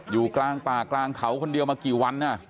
อยู่กลางป่ากลางเขาคนเดียวมากี่วัน